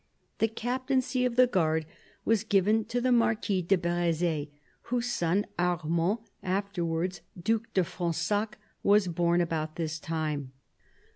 The captaincy of the guard was given to the Marquis de Brezd, whose son Armand, afterwards Due de Fronsac, was born about this time.